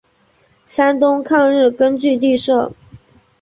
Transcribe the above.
山东抗日根据地设。